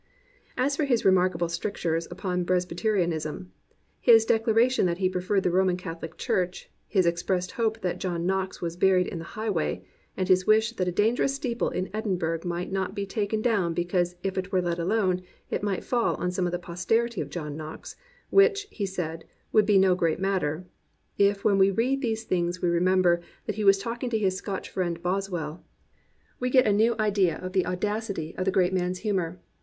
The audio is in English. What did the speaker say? As for his remarkable strictures upon Presby terianism, his declaration that he preferred the Roman Catholic Church, his expressed hope that John Knox was buried in the highway, and his wish that a dangerous steeple in Edinburgh might not be taken down because if it were let alone it might fall on some of the posterity of John Knox, which, he said, would be "no great matter," — if when we read these things we remember that he was talking to his Scotch friend Boswell, we get a new idea of 321 COMPANIONABLE BOOKS the audacity of the great man's humour.